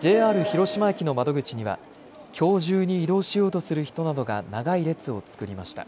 ＪＲ広島駅の窓口にはきょう中に移動しようとする人などが長い列を作りました。